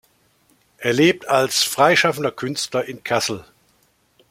Er lebt als freischaffender Künstler in Kassel.